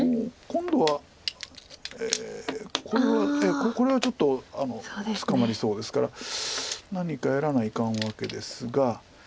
今度はこれはちょっと捕まりそうですから何かやらないかんわけですが。